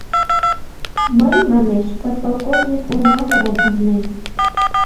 «Мый, — манеш, — подполковник Урмановым ужнем.